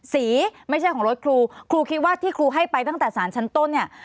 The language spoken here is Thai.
ไม่ใช่ของรถครูครูคิดว่าที่ครูให้ไปตั้งแต่สารชั้นต้นเนี่ย